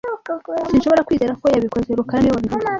Sinshobora kwizera ko yabikoze rukara niwe wabivuze